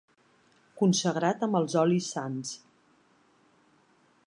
Consagrat amb els olis sants.